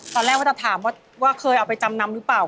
กำลังเริ่มอะไรอวอลล่ะ